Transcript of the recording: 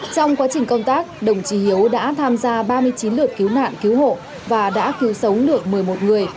trong quá trình công tác đồng chí hiếu đã tham gia ba mươi chín lượt cứu nạn cứu hộ và đã cứu sống được một mươi một người